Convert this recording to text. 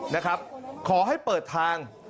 นะครับขอให้เปิดทาง